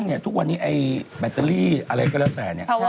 แม้กระทั่งทุกวันนี้แบตเตอรี่อะไรก็แล้วแต่